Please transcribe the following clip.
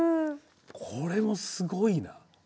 これもすごいな。